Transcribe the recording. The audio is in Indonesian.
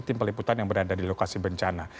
tim peliputan yang berada di lokasi bencana